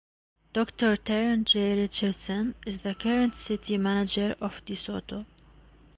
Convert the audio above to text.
Doctor Tarron J. Richardson is the current city manager of DeSoto.